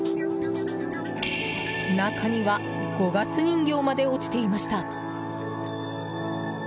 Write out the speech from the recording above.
中には五月人形まで落ちていました。